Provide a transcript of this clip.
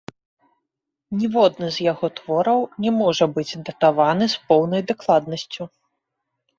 Ніводны з яго твораў не можа быць датаваны з поўнай дакладнасцю.